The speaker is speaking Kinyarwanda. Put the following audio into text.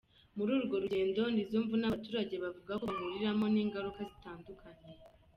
Muri urwo rugendo n’izo mvune, abaturage bavuga ko bahuriramo n’ingaruka zitandukanye.